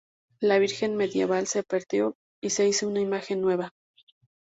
La Virgen medieval se perdió y se hizo una imagen nueva.